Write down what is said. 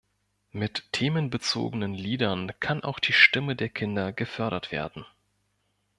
Mit themenbezogenen Liedern kann auch die Stimme der Kinder gefördert werden.